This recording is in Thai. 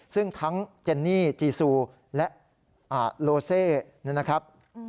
ซึ่งทั้งเจนนี่จีซูและโลเซนะครับ